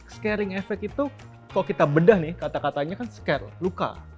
scaring efek itu kalau kita bedah nih kata katanya kan scare luka